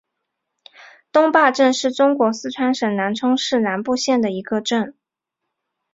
东坝镇是中国四川省南充市南部县的一个镇。